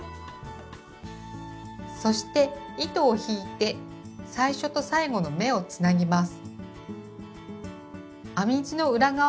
そして糸を引いて最初と最後の目をつなぎます。